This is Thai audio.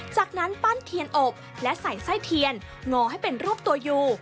จากนั้นปั้นเทียนอบและใส่ไส้เทียนงอให้เป็นรูปตัวยู